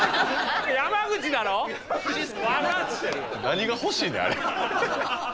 何が欲しいねん。